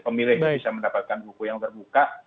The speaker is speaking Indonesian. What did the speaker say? pemilih bisa mendapatkan buku yang terbuka